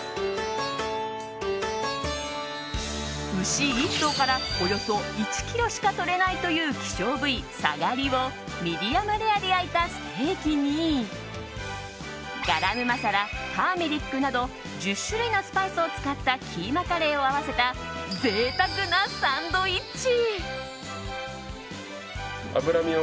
牛１頭からおよそ１ｋｇしか取れないという希少部位サガリをミディアムレアで焼いたステーキにガラムマサラ、ターメリックなど１０種類のスパイスを使ったキーマカレーを合わせた贅沢なサンドイッチ。